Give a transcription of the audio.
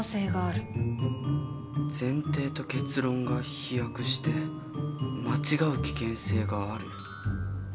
前提と結論が飛躍して間違う危険性がある。